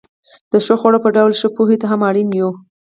د ښو خوړو په ډول ښې پوهې ته هم اړمن یو.